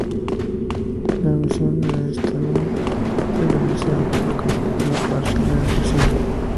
La inhibición de las estatinas se realiza de forma competitiva, parcial y reversible.